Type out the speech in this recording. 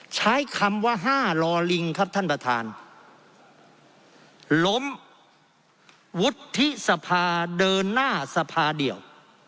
ใช้คำว่าห้าลอลิงครับท่านประธานล้มวุฒิสภาเดินหน้าสภาเดียว